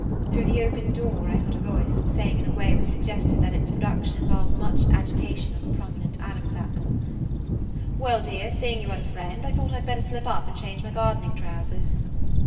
Through the open door I heard a voice saying in a way which suggested that its production involved much agitation of a prominent Adam's apple: "Well, dear, seeing you had a friend, I thought I 'd better slip up and change my gardening trousers."